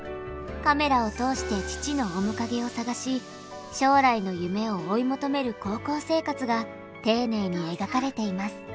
カメラを通して父の面影を探し将来の夢を追い求める高校生活が丁寧に描かれています。